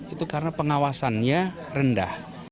itu karena pengawasannya rendah